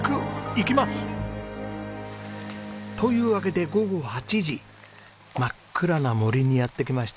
行きます！というわけで午後８時真っ暗な森にやって来ました。